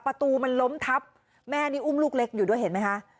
ประตูมันล้มทับแม่นี่อุ้มลูกเล็กอยู่ด้วยเห็นไหมคะ